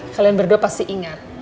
kalian berdua pasti ingat